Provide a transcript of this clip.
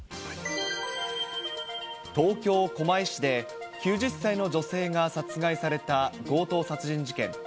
東京・狛江市で９０歳の女性が殺害された強盗殺人事件。